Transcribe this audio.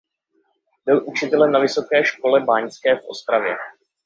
Byl učitelem na Vysoké škole báňské v Ostravě.